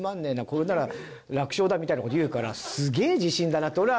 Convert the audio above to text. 「これなら楽勝だ」みたいな事言うからすげえ自信だなって俺は内心。